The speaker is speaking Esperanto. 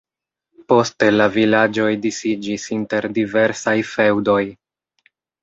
Poste la vilaĝoj disiĝis inter diversaj feŭdoj.